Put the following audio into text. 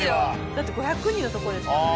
だって５００人のとこですからね。